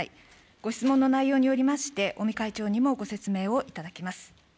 ご質問の内容によりまして、尾身会長にもご説明を頂きます。